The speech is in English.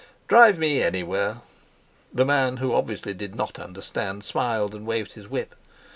"Drive me anywhere!" The man, who, obviously, did not understand, smiled, and waved his whip.